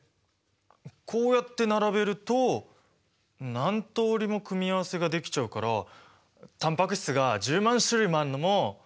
こうやって並べると何通りも組み合わせができちゃうからタンパク質が１０万種類もあるのもうなずけますよね。